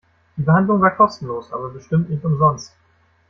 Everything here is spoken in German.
Die Behandlung war kostenlos, aber bestimmt nicht umsonst.